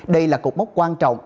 đây là cục mốc quan trọng